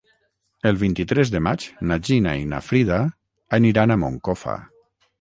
El vint-i-tres de maig na Gina i na Frida aniran a Moncofa.